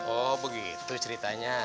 oh begitu ceritanya